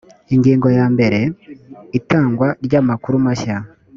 ingingo ya mbere itangwa ry amakuru mashya